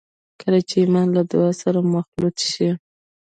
کله چې ایمان له دعا سره مخلوط شي